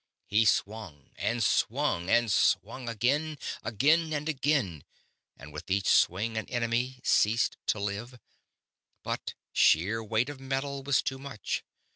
He swung and swung and swung again; again and again; and with each swing an enemy ceased to live; but sheer weight of metal was too much.